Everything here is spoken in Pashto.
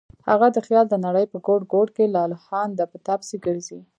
هغه د خیال د نړۍ په ګوټ ګوټ کې لالهانده په تا پسې ګرځي.